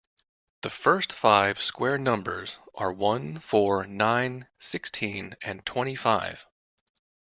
The first five square numbers are one, four, nine, sixteen and twenty-five